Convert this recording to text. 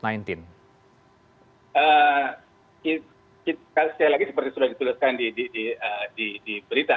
jadi sekali lagi seperti sudah dituliskan di berita